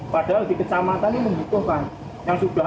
padahal di kecamatan ini menghitungkan yang sudah ada